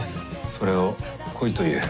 それを恋という。